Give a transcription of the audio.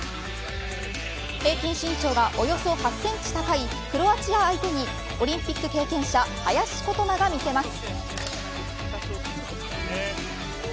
平均身長がおよそ８センチ高いクロアチア相手にオリンピック経験者林琴奈が見せます。